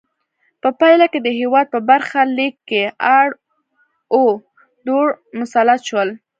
په پایله کې د هېواد په برخه لیک کې اړ او دوړ مسلط شول.